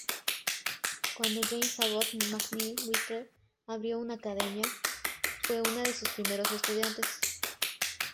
Cuando James Abbott McNeill Whistler abrió una academia, fue una de sus primeros estudiantes.